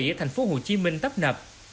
ở thành phố hồ chí minh tấp nập